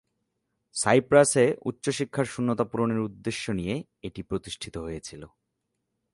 সাইপ্রাসে উচ্চশিক্ষার শূন্যতা পূরণের উদ্দেশ্য নিয়ে এটি প্রতিষ্ঠিত হয়েছিলো।